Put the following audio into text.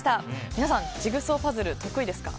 皆さん、ジグソーパズル得意ですか？